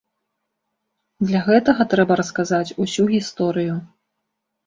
Для гэтага трэба расказаць усю гісторыю.